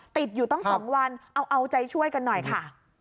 ติดอยู่ตั้ง๒วันเอาใจช่วยกันหน่อยค่ะ